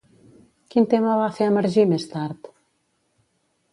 Quin tema va fer emergir més tard?